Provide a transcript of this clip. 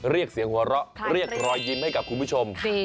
เรียกเสียงหัวเราะเรียกรอยยิ้มให้กับคุณผู้ชม